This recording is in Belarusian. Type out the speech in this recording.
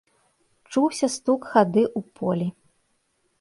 Чуўся стук хады ў полі.